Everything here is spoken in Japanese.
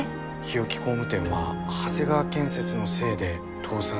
日置工務店は長谷川建設のせいで倒産したのかも。